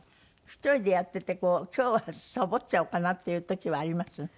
１人でやっててこう今日はサボっちゃおうかなっていう時はあります？